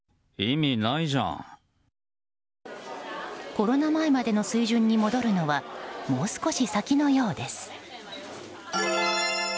コロナ前の水準にまで戻るのにはもう少し先のようです。